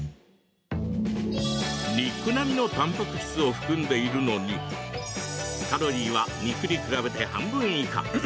肉並みのたんぱく質を含んでいるのにカロリーは肉に比べて半分以下。